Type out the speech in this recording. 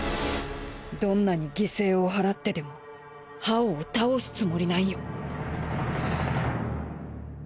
どんなに犠牲を払ってでもハオを倒すつもりなんよ。